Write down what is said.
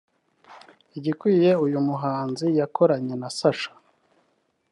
Igikwiye uyu muhanzi yakoranye na Sacha